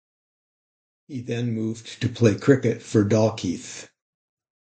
He then moved to play cricket for Dalkeith.